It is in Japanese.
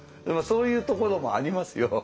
そういうところもありますよ。